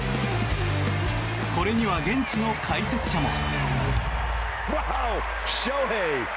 これには現地の解説者も。